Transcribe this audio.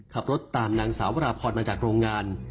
ขับรถตามนางสาววราพรมาจากโรงงาน